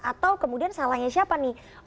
atau kemudian salahnya siapa nih